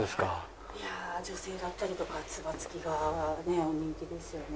女性だったりとかはつば付きがねお人気ですよね。